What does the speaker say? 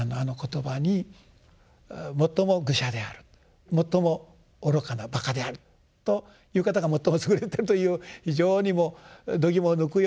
最も愚者である最も愚かなばかであるという方が最も優れてるという非常にもうどぎもを抜くようなですね